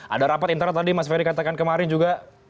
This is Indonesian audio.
ada rapat internal tadi mas ferry katakan kemarin juga